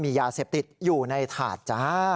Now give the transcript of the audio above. มียาเสพติดอยู่ในถาดจ้า